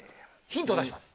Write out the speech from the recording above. ヒントを出します。